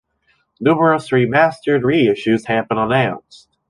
Numerous remastered reissues have been announced.